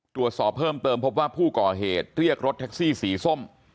ตรวจสอบเพิ่มเติมพบว่าผู้ก่อเหตุเรียกรถแท็กซี่สีส้ม